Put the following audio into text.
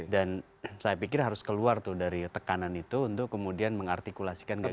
dan saya pikir harus keluar tuh dari tekanan itu untuk kemudian mengartikulasikan gagasan